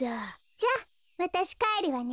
じゃあわたしかえるわね。